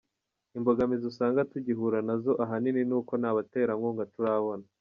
Imbogamizi usanga tugihura na zo ahanini ni uko nta baterankunga turabona.